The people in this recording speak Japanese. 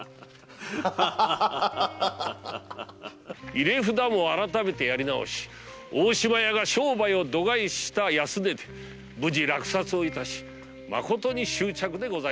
入札を改めてやり直し大島屋が商売を度外視した安値で無事落札をいたし誠に祝着でございました。